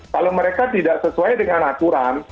kalau mereka tidak sesuai dengan aturan